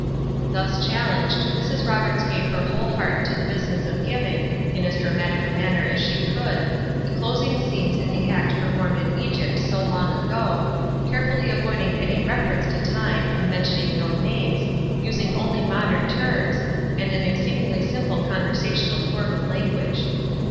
Thus challenged, Mrs. Roberts gave her whole heart to the business of giving, in as dramatic a manner as she could, the closing scenes in the act performed in Egypt so long ago, carefully avoiding any reference to time, and mentioning no names, using only modern terms, and an exceedingly simple conversational form of language.